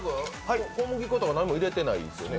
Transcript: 小麦粉とか何も入れてないですよね？